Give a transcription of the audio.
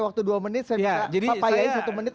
waktu dua menit saya bisa papayai satu menit